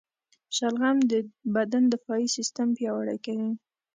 شلغم د بدن دفاعي سیستم پیاوړی کوي.